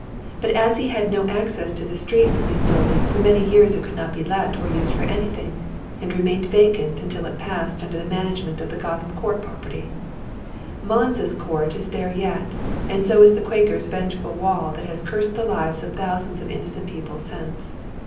But as he had no access to the street from liis building for many years it could not be let or used for anything, anti remained vacant nntil it passed under the managomeiit of the Gotham Court property. Mnllins's Court is there yet, and so is the Quaker's vengeful wall that has cuised the lives of thousands of innocent people since.